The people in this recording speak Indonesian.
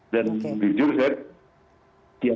dan jujur saya